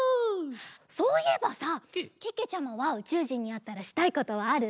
そういえばさけけちゃまはうちゅうじんにあったらしたいことはある？